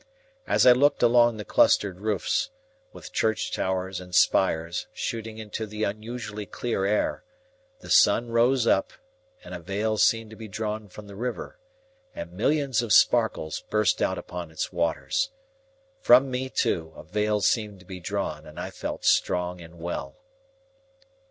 As I looked along the clustered roofs, with church towers and spires shooting into the unusually clear air, the sun rose up, and a veil seemed to be drawn from the river, and millions of sparkles burst out upon its waters. From me too, a veil seemed to be drawn, and I felt strong and well.